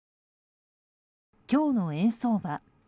今日の円相場。